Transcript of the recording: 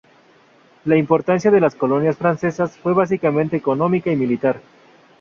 La importancia de las colonias francesas fue básicamente económica y militar.